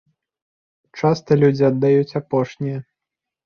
Часта людзі аддаюць апошняе.